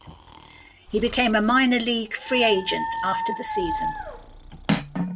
He became a minor league free agent after the season.